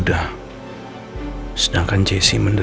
ratu lihat semuanya